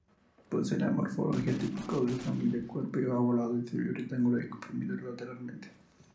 Posee la morfología típica de su familia, cuerpo ovalado, semi-rectangular, y comprimido lateralmente.